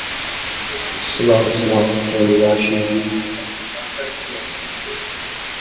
بۆ تا ئێستا پێت نەگوتوون؟